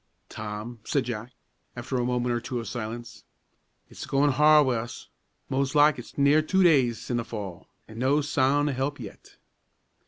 "Tom," said Jack, after a moment or two of silence, "it's a goin' hard wi' us. Mos' like it's near two days sin' the fall, an' no soun' o' help yet.